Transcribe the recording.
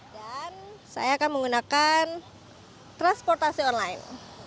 dan saya akan menggunakan transportasi online